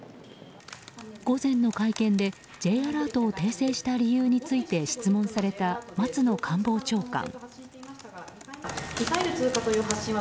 午前の会見で、Ｊアラートを訂正した理由について質問された松野官房長官。